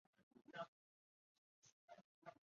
现任中华人民共和国公安部副部长。